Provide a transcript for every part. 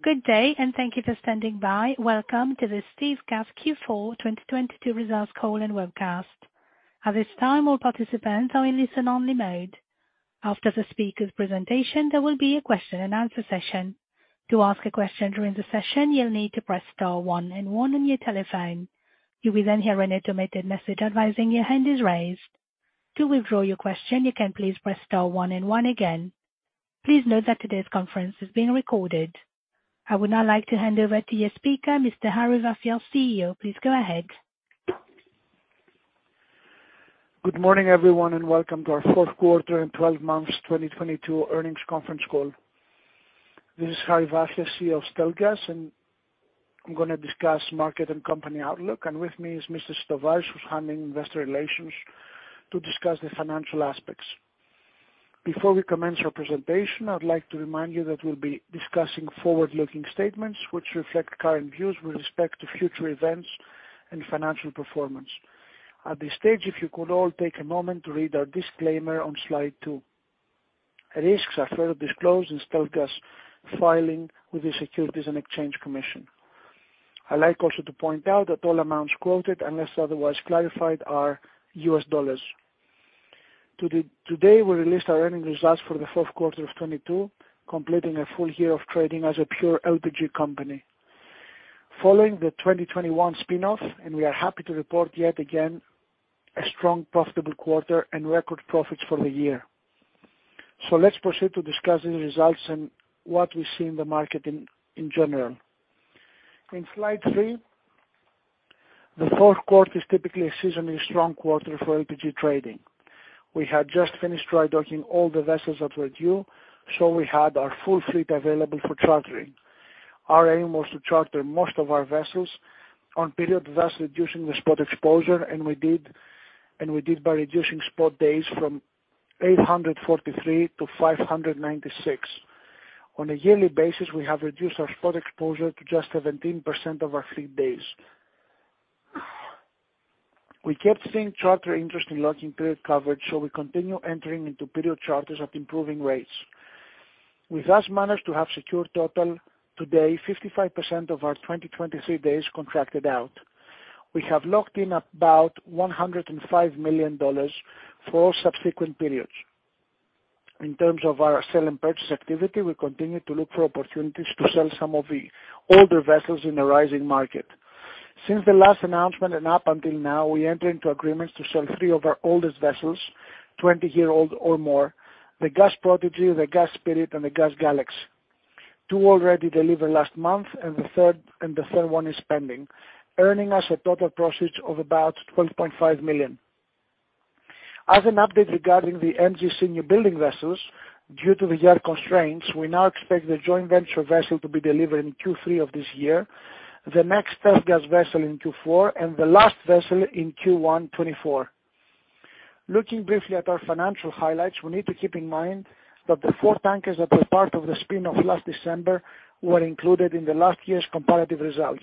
Good day, thank you for standing by. Welcome to the StealthGas Q4 2022 results call and webcast. At this time, all participants are in listen-only mode. After the speaker's presentation, there will be a question and answer session. To ask a question during the session, you'll need to press star 1 and 1 on your telephone. You will then hear an automated message advising your hand is raised. To withdraw your question, you can please press star 1 and 1 again. Please note that today's conference is being recorded. I would now like to hand over to your speaker, Mr. Harry Vafias, CEO. Please go ahead. Good morning, everyone, welcome to our fourth quarter and 12 months 2022 earnings conference call. This is Harry Vafias, CEO of StealthGas, I'm gonna discuss market and company outlook. With me is Mr. Sistovaris, who's handling investor relations to discuss the financial aspects. Before we commence our presentation, I would like to remind you that we'll be discussing forward-looking statements which reflect current views with respect to future events and financial performance. At this stage, if you could all take a moment to read our disclaimer on slide two. Risks are further disclosed in StealthGas filing with the Securities and Exchange Commission. I like also to point out that all amounts quoted, unless otherwise clarified, are US dollars. Today, we released our earnings results for the fourth quarter of 2022, completing a full year of trading as a pure LPG company. Following the 2021 spinoff, we are happy to report yet again a strong profitable quarter and record profits for the year. Let's proceed to discuss these results and what we see in the market in general. In slide three, the fourth quarter is typically a seasonally strong quarter for LPG trading. We had just finished dry docking all the vessels that were due, we had our full fleet available for chartering. Our aim was to charter most of our vessels on period, thus reducing the spot exposure, and we did by reducing spot days from 843 to 596. On a yearly basis, we have reduced our spot exposure to just 17% of our fleet days. We kept seeing charter interest in locking period coverage, we continue entering into period charters at improving rates. We thus managed to have secure total today 55% of our 2023 days contracted out. We have locked in about $105 million for all subsequent periods. In terms of our sell and purchase activity, we continue to look for opportunities to sell some of the older vessels in a rising market. Since the last announcement and up until now, we enter into agreements to sell three of our oldest vessels, 20-year-old or more, the Gas Prodigy, the Gas Spirit, and the Gas Galaxy. Two already delivered last month and the third one is pending, earning us a total proceeds of about $12.5 million. As an update regarding the MGC newbuilding vessels, due to the yard constraints, we now expect the joint venture vessel to be delivered in Q3 of this year, the next StealthGas vessel in Q4, and the last vessel in Q1 2024. Looking briefly at our financial highlights, we need to keep in mind that the four tankers that were part of the spin-off last December were included in the last year's comparative results.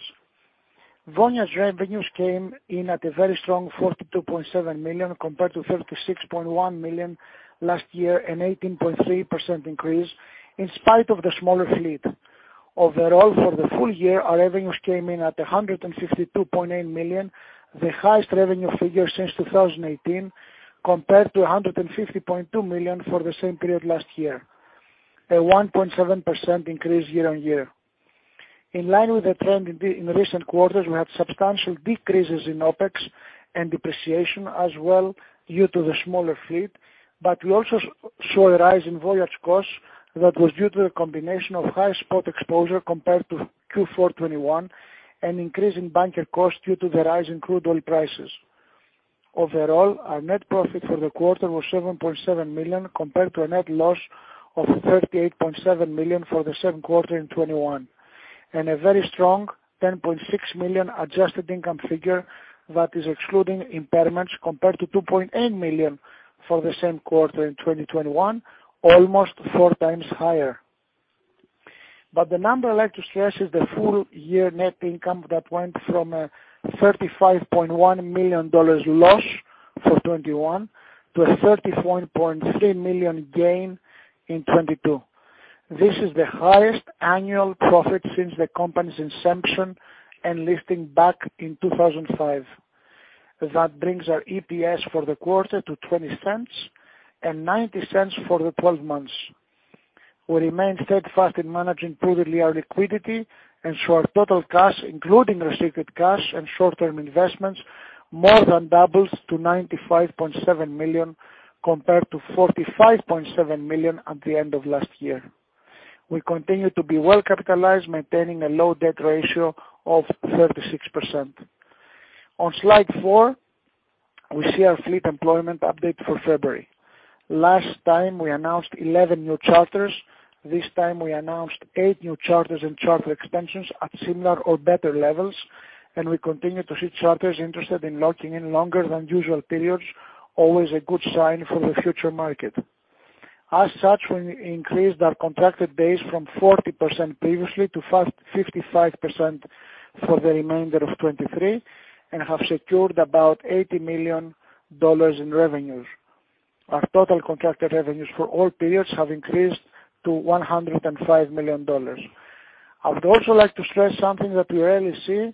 Voyage revenues came in at a very strong42.7 million compared to $36.1 million last year, an 18.3% increase in spite of the smaller fleet. Overall, for the full year, our revenues came in at 152.8 million, the highest revenue figure since 2018, compared to 150.2 million for the same period last year, a 1.7% increase year-on-year. In line with the trend in recent quarters, we had substantial decreases in OpEx and depreciation as well due to the smaller fleet. We also saw a rise in voyage costs that was due to a combination of high spot exposure compared to Q4 2021 and increase in bunker costs due to the rise in crude oil prices. Overall, our net profit for the quarter was 7.7 million compared to a net loss of 38.7 million for the same quarter in 2021, and a very strong 10.6 million adjusted income figure that is excluding impairments compared to 2.8 million for the same quarter in 2021, almost four times higher. The number I'd like to stress is the full year net income that went from a $35.1 million loss for 2021 to a 31.3 million gain in 2022. This is the highest annual profit since the company's inception and listing back in 2005. That brings our EPS for the quarter to 0.20 and 0.90 for the 12 months. We remain steadfast in managing prudently our liquidity. Our total cash, including restricted cash and short-term investments, more than doubles to 95.7 million compared to $45.7 million at the end of last year. We continue to be well capitalized, maintaining a low debt ratio of 36%. On slide four, we see our fleet employment update for February. Last time, we announced 11 new charters. This time, we announced eight new charters and charter extensions at similar or better levels. We continue to see charters interested in locking in longer than usual periods, always a good sign for the future market. As such, we increased our contracted days from 40% previously to 55% for the remainder of 2023 and have secured about $80 million in revenues. Our total contracted revenues for all periods have increased to $105 million. I would also like to stress something that we rarely see,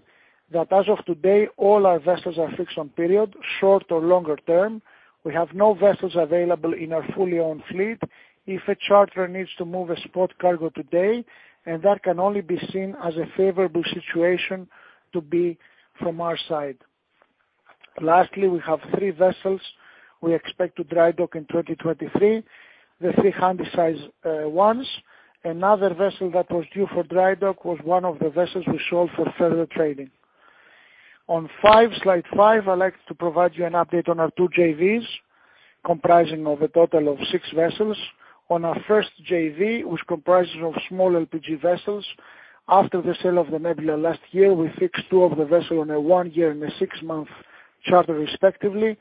that as of today, all our vessels are fixed on period, short or longer term. We have no vessels available in our fully owned fleet if a charter needs to move a spot cargo today, that can only be seen as a favorable situation to be from our side. Lastly, we have three vessels we expect to dry dock in 2023, the three Handysize ones. Another vessel that was due for dry dock was one of the vessels we sold for further trading. On 5, slide 5, I'd like to provide you an update on our two JVs comprising of a total of six vessels. On our first JV, which comprises of small LPG vessels. After the sale of the Nebula last year, we fixed two of the vessel on a 1-year and a 6-month charter respectively.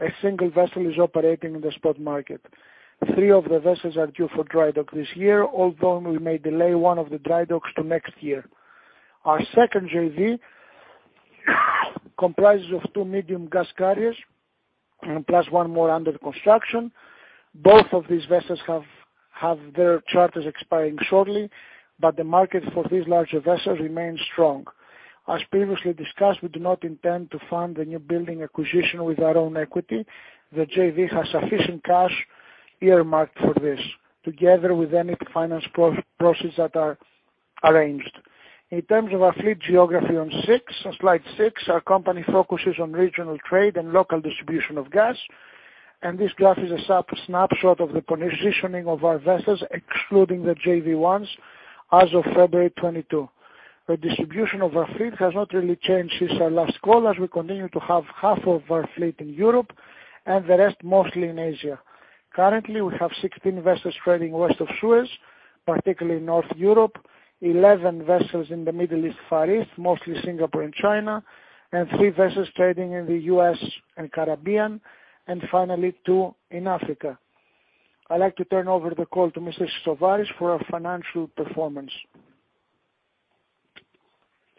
A single vessel is operating in the spot market. Three of the vessels are due for dry dock this year, although we may delay 1 of the dry docks to next year. Our second JV comprises of two medium gas carriers, and plus one more under construction. Both of these vessels have their charters expiring shortly. The market for these larger vessels remains strong. As previously discussed, we do not intend to fund the newbuilding acquisition with our own equity. The JV has sufficient cash earmarked for this together with any finance proceeds that are arranged. In terms of our fleet geography on six, on slide six, our company focuses on regional trade and local distribution of gas, and this graph is a snapshot of the positioning of our vessels, excluding the JV ones as of February 2022. The distribution of our fleet has not really changed since our last call, as we continue to have half of our fleet in Europe and the rest mostly in Asia. Currently, we have 16 vessels trading west of Suez, particularly North Europe, 11 vessels in the Middle East, Far East, mostly Singapore and China, and three vessels trading in the U.S. and Caribbean, and finally two in Africa. I'd like to turn over the call to Mr. Sistovaris for our financial performance.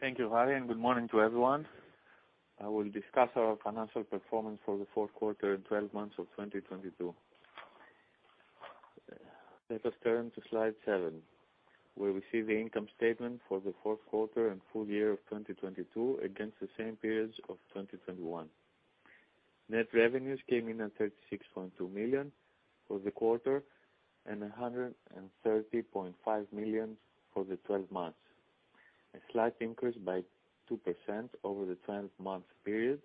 Thank you, Harry. Good morning to everyone. I will discuss our financial performance for the fourth quarter and 12 months of 2022. Let us turn to slide seven, where we see the income statement for the fourth quarter and full year of 2022 against the same periods of 2021. Net revenues came in at 36.2 million for the quarter and 130.5 million for the 12 months. A slight increase by 2% over the 12-month period,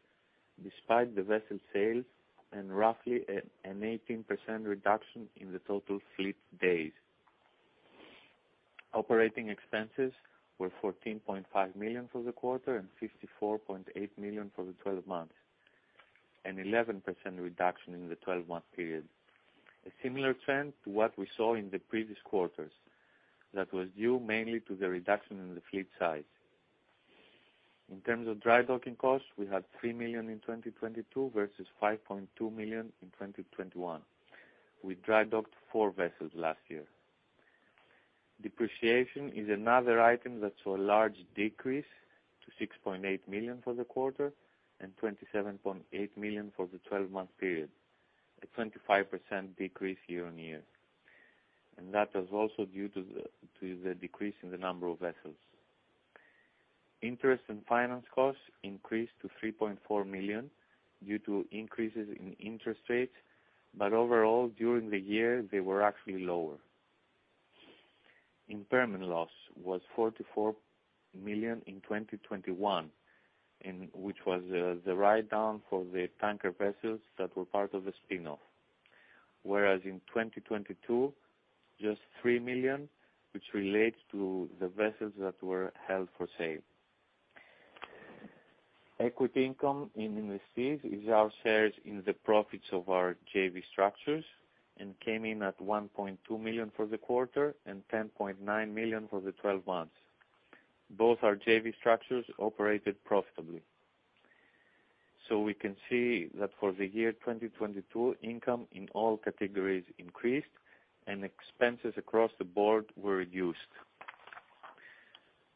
despite the vessel sales and roughly an 18% reduction in the total fleet days. Operating expenses were 14.5 million for the quarter and 54.8 million for the 12 months, an 11% reduction in the 12-month period. A similar trend to what we saw in the previous quarters that was due mainly to the reduction in the fleet size. In terms of dry docking costs, we had 3 million in 2022 versus 5.2 million in 2021. We dry docked four vessels last year. Depreciation is another item that saw a large decrease to 6.8 million for the quarter and 27.8 million for the 12-month period, a 25% decrease year-over-year. That was also due to the decrease in the number of vessels. Interest and finance costs increased to 3.4 million due to increases in interest rates, overall, during the year, they were actually lower. Impairment loss was $44 million in 2021, which was the write down for the tanker vessels that were part of the spin-off. Whereas in 2022, just 3 million, which relates to the vessels that were held for sale. Equity income in investees is our shares in the profits of our JV structures and came in at 1.2 million for the quarter and 10.9 million for the 12 months. Both our JV structures operated profitably. We can see that for the year 2022, income in all categories increased and expenses across the board were reduced.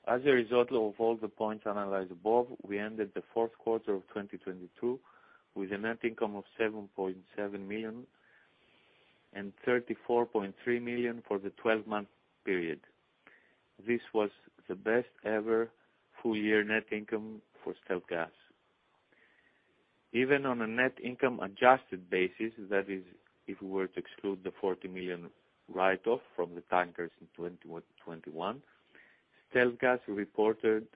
As a result of all the points analyzed above, we ended the fourth quarter of 2022 with a net income of 7.7 million and 34.3 million for the 12-month period. This was the best ever full year net income for StealthGas. Even on a net income adjusted basis, that is if we were to exclude the $40 million write-off from the tankers in 2021, StealthGas reported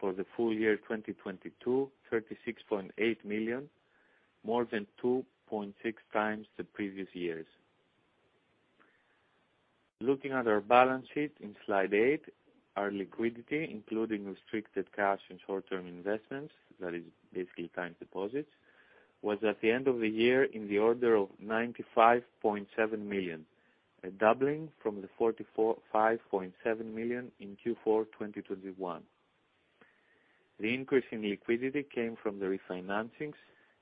for the full year 2022, 36.8 million, more than 2.6 times the previous years. Looking at our balance sheet in slide eight, our liquidity, including restricted cash and short-term investments, that is basically time deposits, was at the end of the year in the order of 95.7 million, a doubling from the 45.7 million in Q4 2021. The increase in liquidity came from the refinancings,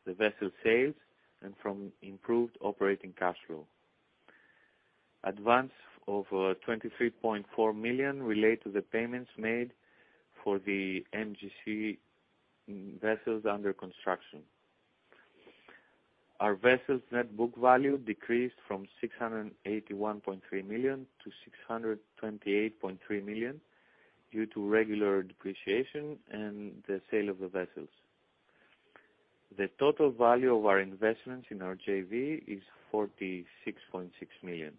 the vessel sales, and from improved operating cash flow. Advance of 23.4 million relate to the payments made for the MGC vessels under construction. Our vessels net book value decreased from 681.3 million to 628.3 million due to regular depreciation and the sale of the vessels. The total value of our investments in our JV is 46.6 million.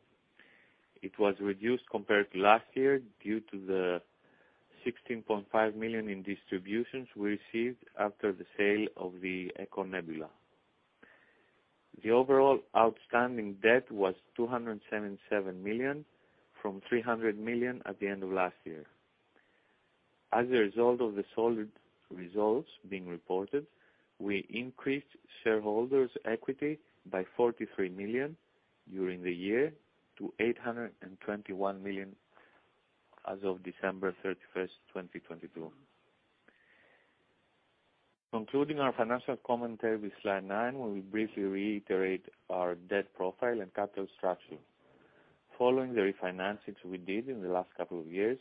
It was reduced compared to last year due to the 16.5 million in distributions we received after the sale of the Eco Nebula. The overall outstanding debt was 277 million from 300 million at the end of last year. As a result of the solid results being reported, we increased shareholders equity by 43 million during the year to 821 million as of December 31, 2022. Concluding our financial commentary with slide nine, where we briefly reiterate our debt profile and capital structure. Following the refinancings we did in the last couple of years,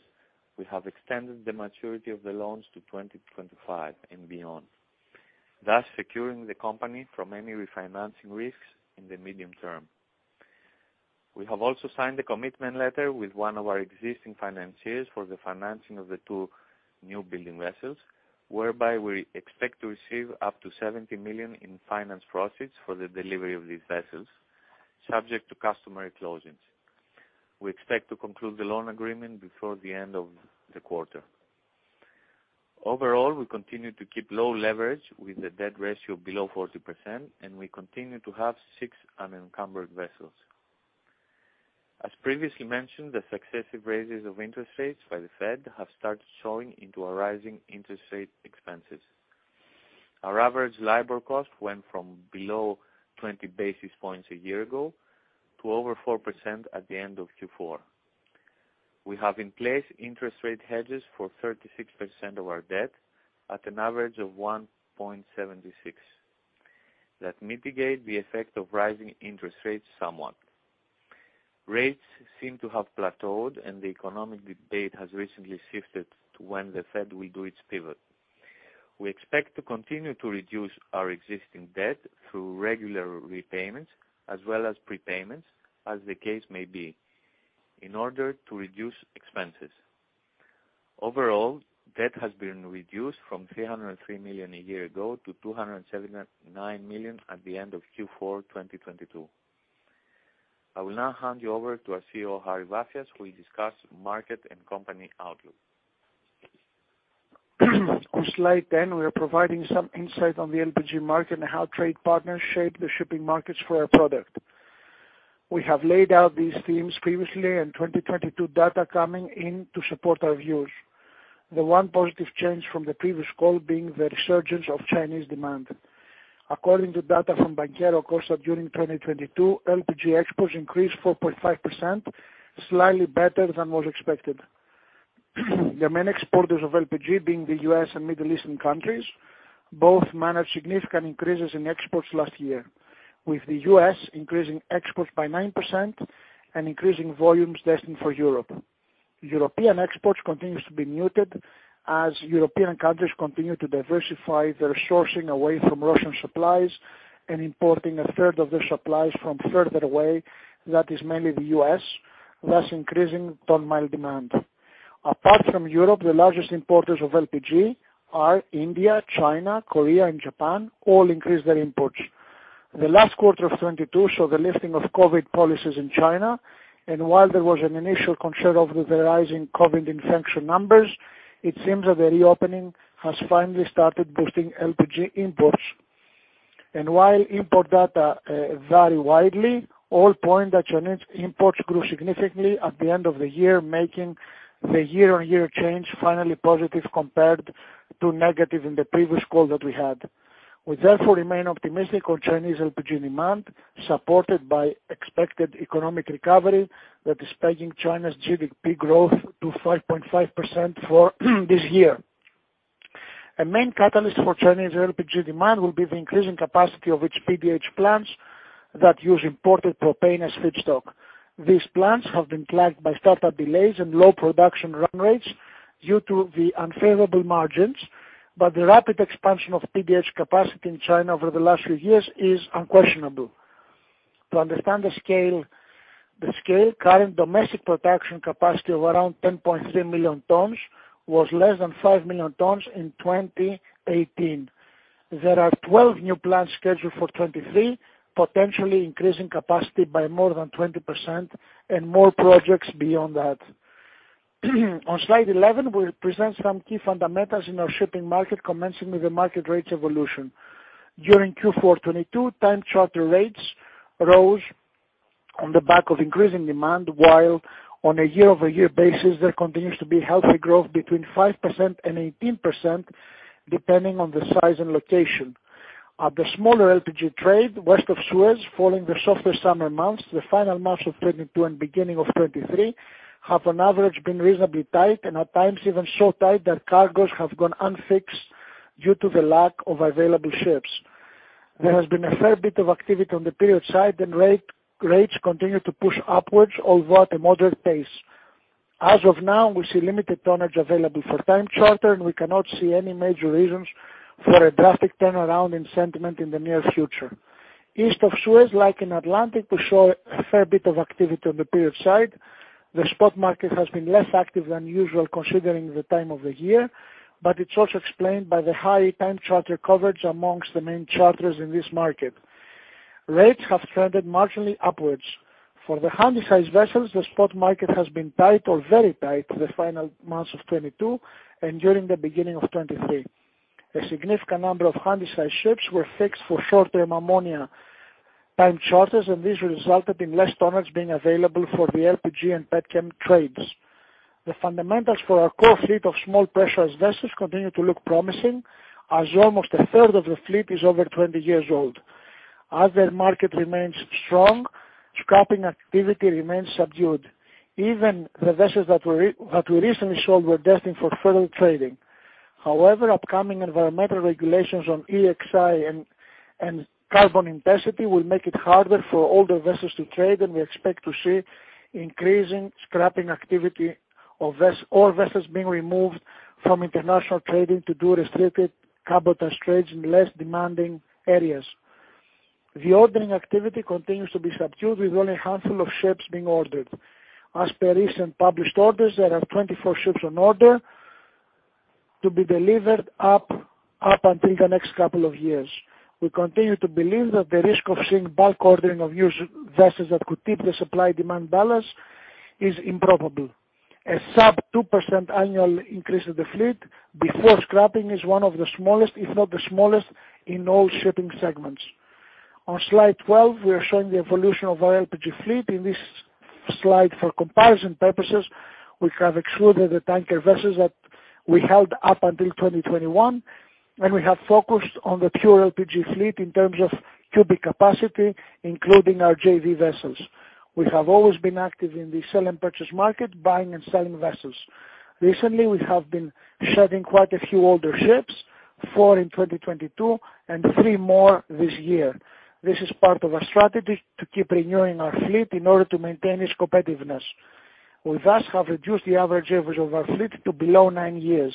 we have extended the maturity of the loans to 2025 and beyond, thus securing the company from any refinancing risks in the medium term. We have also signed a commitment letter with one of our existing financiers for the financing of the two newbuilding vessels, whereby we expect to receive up to 70 million in finance proceeds for the delivery of these vessels, subject to customary closings. We expect to conclude the loan agreement before the end of the quarter. Overall, we continue to keep low leverage with the debt ratio below 40%, and we continue to have 6 unencumbered vessels. As previously mentioned, the successive raises of interest rates by the Fed have started showing into our rising interest rate expenses. Our average LIBOR cost went from below 20 basis points a year ago to over 4% at the end of Q4. We have in place interest rate hedges for 36% of our debt at an average of 1.76 that mitigate the effect of rising interest rates somewhat. Rates seem to have plateaued and the economic debate has recently shifted to when the Fed will do its pivot. We expect to continue to reduce our existing debt through regular repayments as well as prepayments as the case may be, in order to reduce expenses. Overall, debt has been reduced from 303 million a year ago to 279 million at the end of Q4, 2022. I will now hand you over to our CEO, Harry Vafias who will discuss market and company outlook. On slide 10, we are providing some insight on the LPG market and how trade partners shape the shipping markets for our product. We have laid out these themes previously and 2022 data coming in to support our views. The one positive change from the previous call being the resurgence of Chinese demand. According to data from Banchero Costa during 2022, LPG exports increased 4.5%, slightly better than was expected. The main exporters of LPG being the U.S. and Middle Eastern countries both managed significant increases in exports last year, with the U.S. increasing exports by 9% and increasing volumes destined for Europe. European exports continues to be muted as European countries continue to diversify their sourcing away from Russian supplies and importing a third of their supplies from further away, that is mainly the U.S., thus increasing ton-mile demand. Apart from Europe, the largest importers of LPG are India, China, Korea and Japan all increased their imports. The last quarter of 2022 saw the lifting of COVID policies in China, while there was an initial concern over the rising COVID infection numbers, it seems that the reopening has finally started boosting LPG imports. While import data vary widely, all point that Chinese imports grew significantly at the end of the year, making the year-on-year change finally positive compared to negative in the previous call that we had. We therefore remain optimistic on Chinese LPG demand, supported by expected economic recovery that is pegging China's GDP growth to 5.5% for this year. A main catalyst for Chinese LPG demand will be the increasing capacity of PDH plants that use imported propane as feedstock. These plants have been plagued by startup delays and low production run rates due to the unfavorable margins. The rapid expansion of PDH capacity in China over the last few years is unquestionable. To understand the scale, current domestic production capacity of around 10.3 million tons was less than 5 million tons in 2018. There are 12 new plants scheduled for 2023, potentially increasing capacity by more than 20% and more projects beyond that. On slide 11, we present some key fundamentals in our shipping market, commencing with the market rates evolution. During Q4 2022, time charter rates rose on the back of increasing demand, while on a year-over-year basis, there continues to be healthy growth between 5% and 18%, depending on the size and location. At the smaller LPG trade, West of Suez, following the softer summer months, the final months of 2022 and beginning of 2023 have on average been reasonably tight and at times even so tight that cargoes have gone unfixed due to the lack of available ships. There has been a fair bit of activity on the period side and rates continue to push upwards although at a moderate pace. As of now, we see limited tonnage available for time charter and we cannot see any major reasons for a drastic turnaround in sentiment in the near future. East of Suez, like in Atlantic, we saw a fair bit of activity on the period side. The spot market has been less active than usual considering the time of the year, but it's also explained by the high time charter coverage amongst the main charters in this market. Rates have trended marginally upwards. For the Handysize vessels, the spot market has been tight or very tight the final months of 2022 and during the beginning of 2023. A significant number of Handysize ships were fixed for short-term ammonia time charters and this resulted in less tonnage being available for the LPG and petchem trades. The fundamentals for our core fleet of small pressurized vessels continue to look promising as almost a third of the fleet is over 20 years old. As their market remains strong, scrapping activity remains subdued. Even the vessels that we recently sold were destined for further trading. Upcoming environmental regulations on EEXI and carbon intensity will make it harder for older vessels to trade, and we expect to see increasing scrapping activity of vessels being removed from international trading to do restricted cabotage trades in less demanding areas. The ordering activity continues to be subdued, with only a handful of ships being ordered. As per recent published orders, there are 24 ships on order to be delivered up until the next couple of years. We continue to believe that the risk of seeing bulk ordering of used vessels that could tip the supply-demand balance is improbable. A sub 2% annual increase in the fleet before scrapping is one of the smallest, if not the smallest, in all shipping segments. On slide 12, we are showing the evolution of our LPG fleet. In this slide, for comparison purposes, we have excluded the tanker vessels that we held up until 2021, and we have focused on the pure LPG fleet in terms of cubic capacity, including our JV vessels. We have always been active in the sell and purchase market, buying and selling vessels. Recently, we have been shedding quite a few older ships, four in 2022 and three more this year. This is part of our strategy to keep renewing our fleet in order to maintain its competitiveness. We thus have reduced the average age of our fleet to below nine years.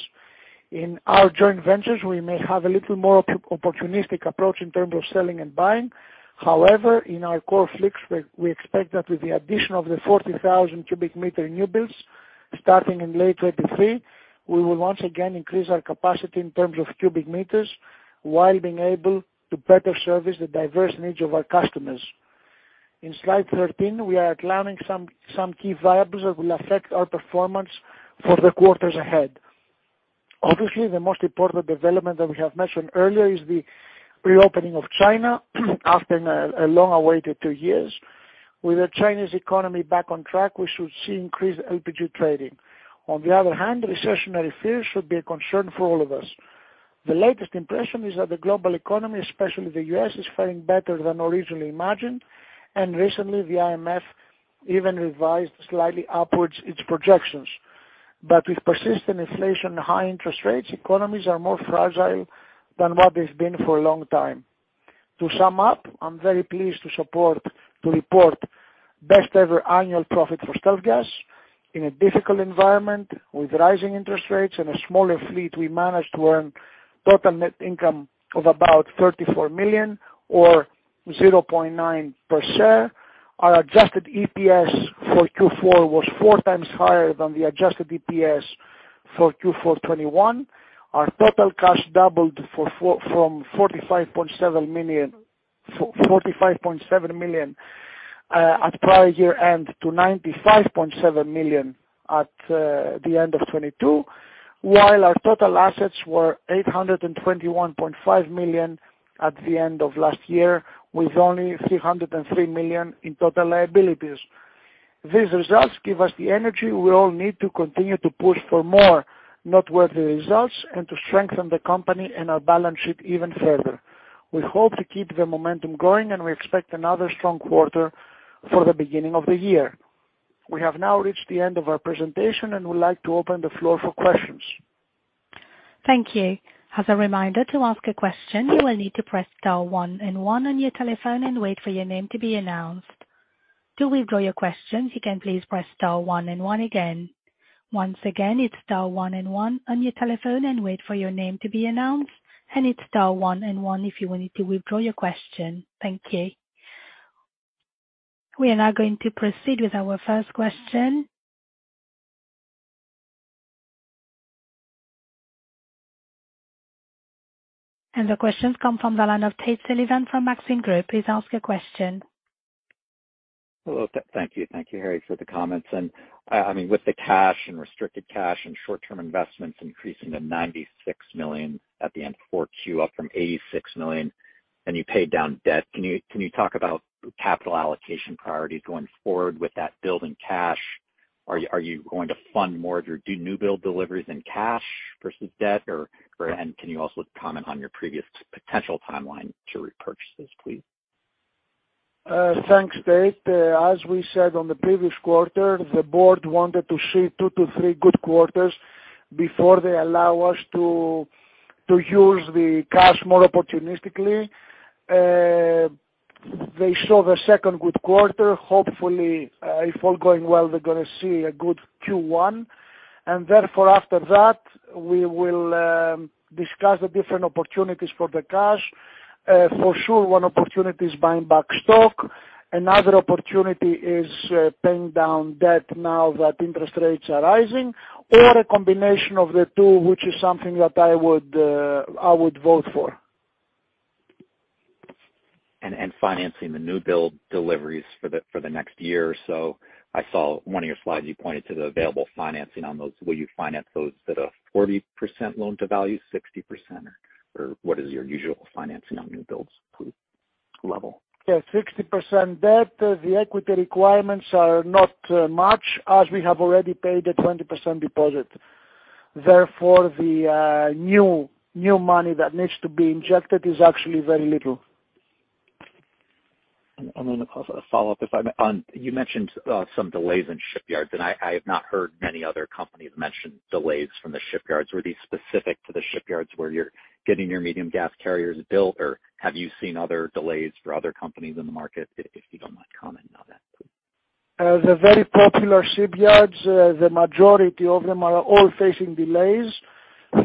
In our joint ventures, we may have a little more opportunistic approach in terms of selling and buying. In our core fleets, we expect that with the addition of the 40,000 cubic meter new builds starting in late 2023, we will once again increase our capacity in terms of cubic meters while being able to better service the diverse needs of our customers. In slide 13, we are outlining some key variables that will affect our performance for the quarters ahead. Obviously, the most important development that we have mentioned earlier is the reopening of China after a long awaited two years. With the Chinese economy back on track, we should see increased LPG trading. On the other hand, recessionary fears should be a concern for all of us. The latest impression is that the global economy, especially the U.S., is faring better than originally imagined, and recently the IMF even revised slightly upwards its projections. With persistent inflation and high interest rates, economies are more fragile than what they've been for a long time. To sum up, I'm very pleased to report best ever annual profit for StealthGas in a difficult environment with rising interest rates and a smaller fleet we managed to earn total net income of about 34 million or 0.9 per share. Our adjusted EPS for Q4 was four times higher than the adjusted EPS for Q4 2021. Our total cash doubled from 45.7 million at prior year-end to 95.7 million at the end of 2022, while our total assets were 821.5 million at the end of last year, with only 303 million in total liabilities. These results give us the energy we all need to continue to push for more noteworthy results and to strengthen the company and our balance sheet even further. We hope to keep the momentum growing, and we expect another strong quarter for the beginning of the year. We have now reached the end of our presentation and would like to open the floor for questions. Thank you. As a reminder, to ask a question, you will need to press star 1 and 1 on your telephone and wait for your name to be announced. To withdraw your questions, you can please press star 1 and 1 again. Once again, it's star 1 and 1 on your telephone and wait for your name to be announced, and it's star 1 and 1 if you want to withdraw your question. Thank you. We are now going to proceed with our first question. The questions come from the line of Tate Sullivan from Maxim Group. Please ask your question. Hello. Thank you. Thank you, Harry, for the comments. I mean, with the cash and restricted cash and short-term investments increasing to 96 million at the end of 4Q, up from 86 million, and you paid down debt, can you talk about capital allocation priorities going forward with that build in cash? Are you going to fund more of your new build deliveries in cash versus debt? Or and can you also comment on your previous potential timeline to repurchase those, please? Thanks, Dave. As we said on the previous quarter, the board wanted to see two to three good quarters before they allow us to use the cash more opportunistically. They saw the second good quarter. Hopefully, if all going well, they're gonna see a good Q1. After that, we will discuss the different opportunities for the cash. For sure, one opportunity is buying back stock. Another opportunity is paying down debt now that interest rates are rising, or a combination of the two, which is something that I would vote for. Financing the newbuilding deliveries for the next year or so. I saw one of your slides, you pointed to the available financing on those. Will you finance those that are 40% loan-to-value, 60%? What is your usual financing on newbuildings level? Yeah. 60% debt. The equity requirements are not much as we have already paid a 20% deposit. The new money that needs to be injected is actually very little. A follow-up if I may. On, you mentioned some delays in shipyards, and I have not heard many other companies mention delays from the shipyards. Were these specific to the shipyards where you're getting your medium gas carriers built, or have you seen other delays for other companies in the market, if you don't mind commenting on that, please? The very popular shipyards, the majority of them are all facing delays.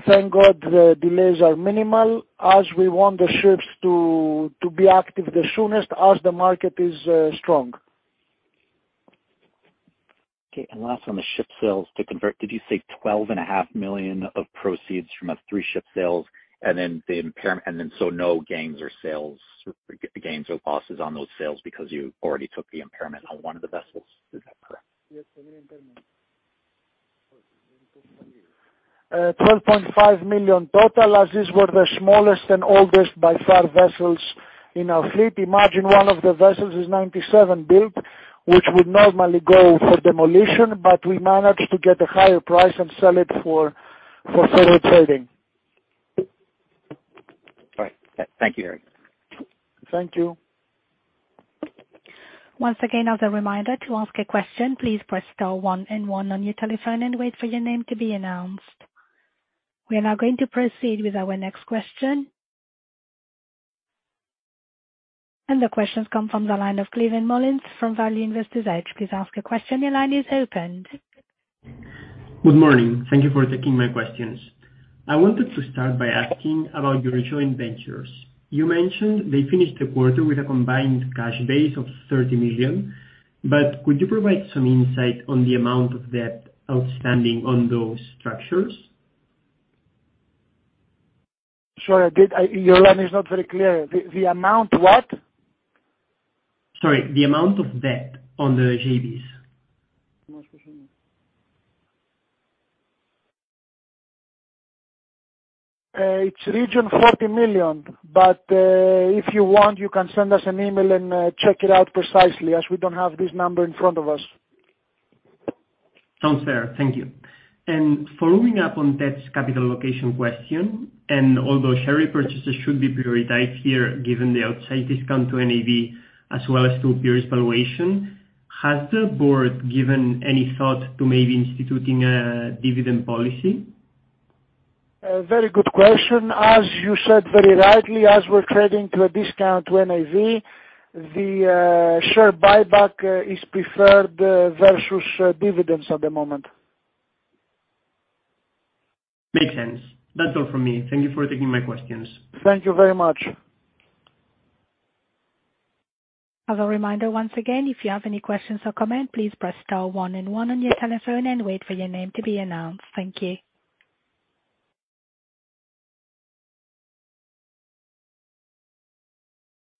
Thank God the delays are minimal, as we want the ships to be active the soonest as the market is strong. Okay. Last on the ship sales to convert, did you say twelve and a half million of proceeds from a 3-ship sales and then the impairment? No gains or sales, gains or losses on those sales because you already took the impairment on 1 of the vessels. Is that correct? Yes. 12.5 million total as these were the smallest and oldest by far vessels in our fleet. Imagine one of the vessels is 1997-built, which would normally go for demolition, but we managed to get a higher price and sell it for further trading. All right. Thank you, Harry. Thank you. Once again as a reminder to ask a question, please press star 1 and 1 on your telephone and wait for your name to be announced. We are now going to proceed with our next question. The question's come from the line of Climent Molins from Value Investors Edge. Please ask a question. Your line is open. Good morning. Thank you for taking my questions. I wanted to start by asking about your joint ventures. You mentioned they finished the quarter with a combined cash base of 30 million. Could you provide some insight on the amount of debt outstanding on those structures? Sorry, I did. Your line is not very clear. The amount what? Sorry, the amount of debt on the JVs. It's region 40 million. If you want, you can send us an email and, check it out precisely as we don't have this number in front of us. Sounds fair. Thank you. Following up on Tate's capital allocation question, and although share repurchases should be prioritized here, given the outsize discount to NAV as well as to peers valuation, has the board given any thought to maybe instituting a dividend policy? A very good question. As you said very rightly, as we're trading to a discount to NAV, the share buyback is preferred versus dividends at the moment. Makes sense. That's all from me. Thank you for taking my questions. Thank you very much. As a reminder once again, if you have any questions or comment, please press star one and one on your telephone and wait for your name to be announced. Thank you.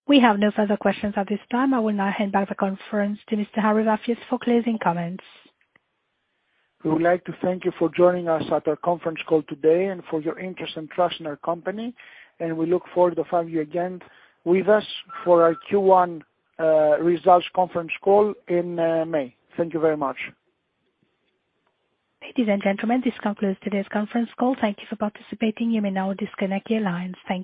We have no further questions at this time. I will now hand back the conference to Mr. Harry Vafias for closing comments. We would like to thank you for joining us at our conference call today and for your interest and trust in our company, and we look forward to having you again with us for our Q1 results conference call in May. Thank you very much. Ladies and gentlemen, this concludes today's conference call. Thank you for participating. You may now disconnect your lines. Thank you.